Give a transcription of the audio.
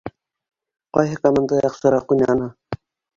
Ҡайһы команда яҡшыраҡ уйнаны?